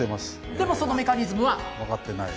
でもそのメカニズムは分かってない。